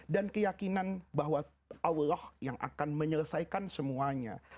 dan keyakinan bahwa allah yang akan menyelesaikan semuanya